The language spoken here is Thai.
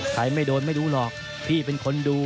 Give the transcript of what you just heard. ไม่โดนไม่รู้หรอกพี่เป็นคนดู